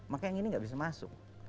maka yang ini nggak bisa masuk